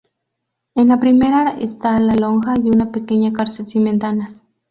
En la primera está la lonja y una pequeña cárcel sin ventanas.